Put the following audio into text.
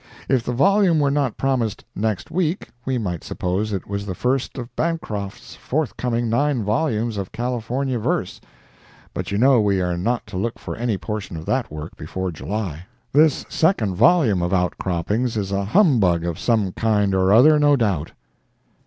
If the volume were not promised "next week," we might suppose it was the first of Bancroft's forthcoming nine volumes of California verse—but you know we are not to look for any portion of that work before July. This second volume of Outcroppings is a humbug of some kind or other, no doubt.